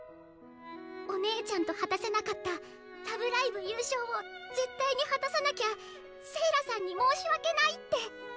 お姉ちゃんと果たせなかった「ラブライブ！」優勝を絶対に果たさなきゃ聖良さんに申し訳ないって。